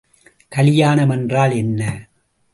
கலியாணம் என்றால் என்ன?